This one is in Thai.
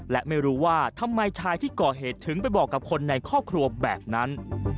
และไม่รู้ว่าทำไมชายที่ก่อเหตุถึงไปบอกกับคนในครอบครัวแบบนั้น